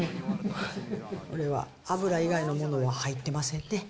これは油以外のものは入ってませんね。